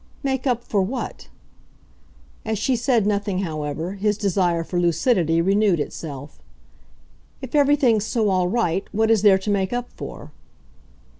"Make up for what?" As she said nothing, however, his desire for lucidity renewed itself. "If everything's so all right what is there to make up for?"